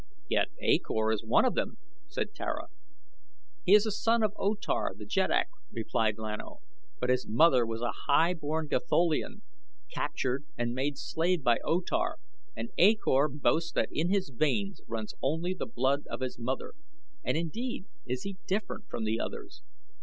"Yet A Kor is one of them," said Tara. "He is a son of O Tar, the jeddak," replied Lan O; "but his mother was a high born Gatholian, captured and made slave by O Tar, and A Kor boasts that in his veins runs only the blood of his mother, and indeed is he different from the others.